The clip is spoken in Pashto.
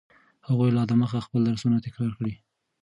هغوی لا دمخه خپل درسونه تکرار کړي.